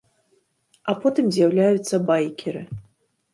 А потым з'яўляюцца байкеры.